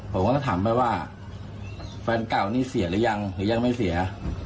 ผมก็จะถามไปว่าแฟนเก่านี่เสียหรือยังหรือยังไม่เสีย